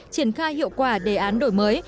triển khai hiệu quả đề án đổi mới